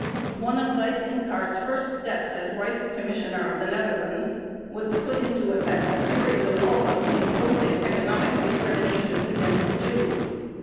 One of Seyss Inquart's first steps as Reich Commissioner of the Netherlands was to put into effect a series of laws imposing economic discriminations against the Jews.